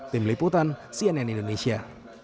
tim liputan cnn indonesia